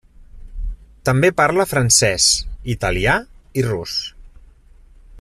També parla francès, italià i rus.